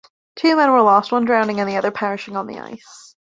Two men were lost, one drowning and the other perishing on the ice.